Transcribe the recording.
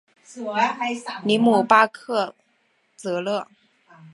里姆巴克泽勒。